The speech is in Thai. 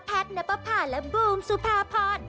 แพทนับภาคและบูมสุภาพอร์